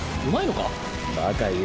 うまいのか？